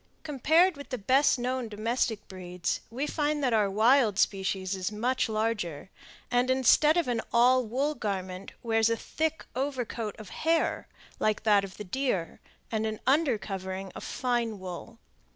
Compared with the best known domestic breeds, we find that our wild species is much larger, and, instead of an all wool garment, wears a thick over coat of hair like that of the deer, and an under covering of fine wool.